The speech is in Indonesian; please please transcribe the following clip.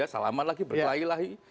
salaman lagi berkelahi lagi